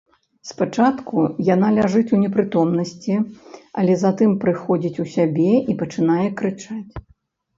Спачатку яна ляжыць у непрытомнасці, але затым прыходзіць у сябе і пачынае крычаць.